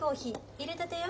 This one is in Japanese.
いれたてよ。